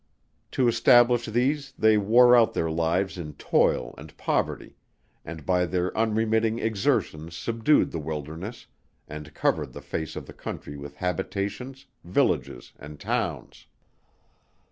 To establish these they wore out their lives in toil and poverty, and by their unremitting exertions subdued the wilderness, and covered the face of the country with habitations, villages, and towns.